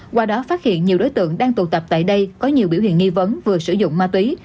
qua đó phát hiện nhiều đối tượng đang tụ tập tại đây có nhiều biểu hiện nghi vấn vừa sử dụng ma túy